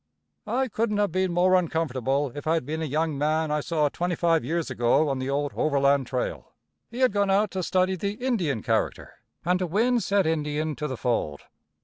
I couldn't have been more uncomfortable if I'd been a young man I saw twenty five years ago on the old overland trail. He had gone out to study the Indian character, and to win said Indian to the fold.